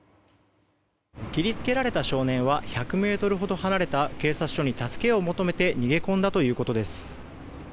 切りつけられた少年は１００ｍほど離れた警察署に助けを求めて逃げ込んだということです。